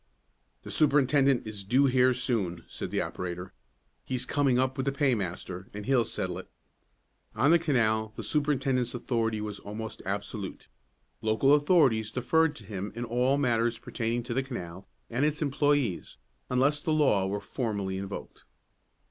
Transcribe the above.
"The superintendent is due here soon," said the operator. "He's coming up with the paymaster, and he'll settle it." On the canal the superintendent's authority was almost absolute. Local authorities deferred to him in all matters pertaining to the canal and its employes, unless the law were formally invoked.